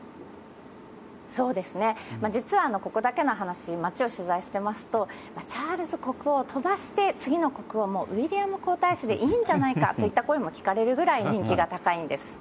そうですね、実はここだけの話、街を取材してますと、チャールズ国王飛ばして、次の国王、ウィリアム皇太子でいいんじゃないかといった声が聞かれるぐらい人気が高いんです。